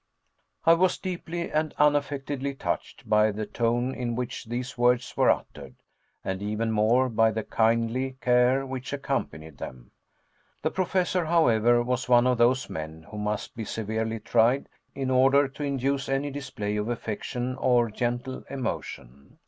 I was deeply and unaffectedly touched by the tone in which these words were uttered, and even more by the kindly care which accompanied them. The Professor, however, was one of those men who must be severely tried in order to induce any display of affection or gentle emotion.